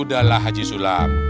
sudahlah pak haji sulam